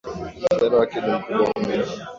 Mshahara wake ni mkubwa mno.